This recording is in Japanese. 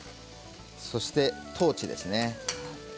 そしてトーチですね。